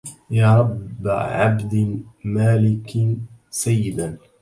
يا رب عبد مالك سيدا